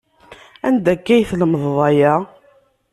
Anda akka tlemedeḍ aya?